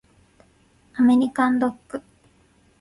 アメリカンドッグ